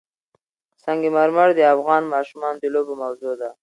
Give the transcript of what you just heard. سنگ مرمر د افغان ماشومانو د لوبو موضوع ده.